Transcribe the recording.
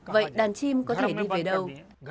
vậy đàn chim có thể đi về đâu